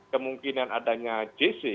kemungkinan adanya jc